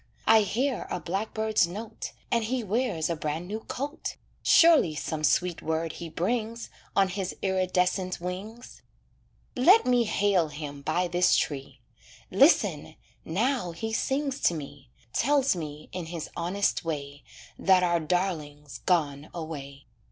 I hear a blackbird's note, And he wears a brand new coat; Surely some sweet word he brings, On his iridescent wings. Let me hail him by this tree. Listen! now he sings to me, Tells me, in his honest way, That our darling's gone away.